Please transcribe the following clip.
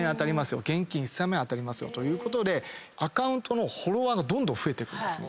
現金１，０００万円当たりますよということでアカウントのフォロワーがどんどん増えてくんですね。